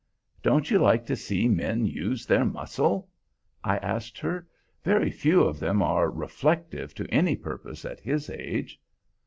"Don't you like to see men use their muscle?" I asked her. "Very few of them are reflective to any purpose at his age."